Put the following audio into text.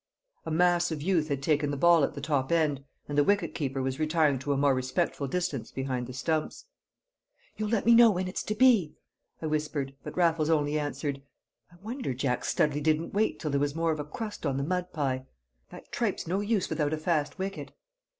A massive youth had taken the ball at the top end, and the wicket keeper was retiring to a more respectful distance behind the stumps. "You'll let me know when it's to be?" I whispered, but Raffles only answered, "I wonder Jack Studley didn't wait till there was more of a crust on the mud pie. That tripe's no use without a fast wicket!"